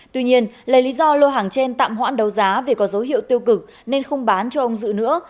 tuy nhiên lấy lý do lô hàng trên tạm hoãn đấu giá vì có dấu hiệu tiêu cực nên không bán cho ông dự nữa